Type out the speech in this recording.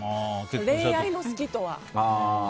恋愛の好きとは。